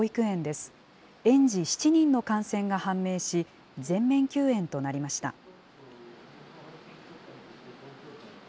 園児７人の感染が判明し、全面休園となりました。